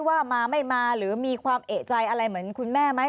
ว่ามาไม่มาหรือมีความเอกใจอะไรเหมือนคุณแม่ไหม